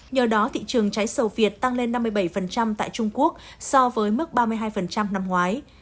nhờ đó thị trường cháy sầu việt tăng lên năm mươi bảy tại trung quốc so với mức ba mươi hai năm ngoái